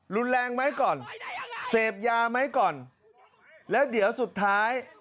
รุนแรงไหมก่อนเสพยาไหมก่อนแล้วเดี๋ยวสุดท้าย